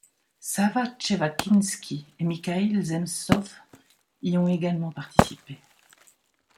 Savva Tchevakinski et Mikhaïl Zemtsov y ont également participé.